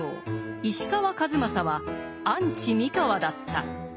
石川数正はアンチ三河だった。